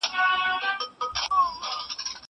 زه به سبا شګه پاکوم!!